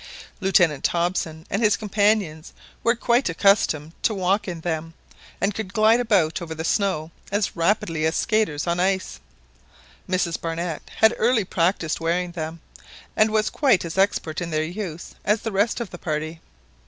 Lieutenant Hobson and his companions were quite accustomed to walk in them, and could glide about over the snow as rapidly as skaters on ice; Mrs Barnett had early practised wearing them, and was quite as expert in their use as the rest of the party.